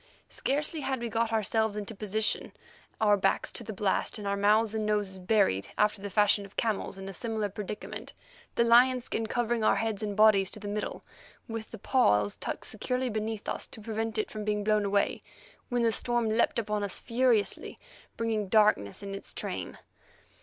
Scarcely had we got ourselves into position, our backs to the blast and our mouths and noses buried after the fashion of camels in a similar predicament, the lion skin covering our heads and bodies to the middle, with the paws tucked securely beneath us to prevent it from being blown away, when the storm leaped upon us furiously, bringing darkness in its train.